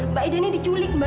mbak ida ini diculik mbak